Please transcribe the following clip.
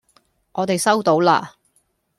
我哋收到啦